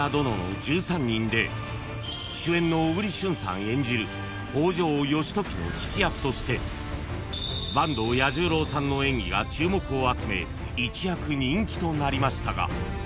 ［主演の小栗旬さん演じる北条義時の父役として坂東彌十郎さんの演技が注目を集め一躍人気となりましたが］